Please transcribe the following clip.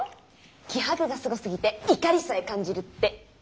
「気迫がすごすぎて怒りさえ感じる」って。